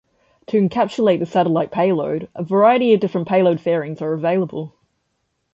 To encapsulate the satellite payload, a variety of different payload fairings are available.